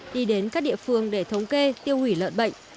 đi đến các địa phương để thống kê tiêu hủy lợn bệnh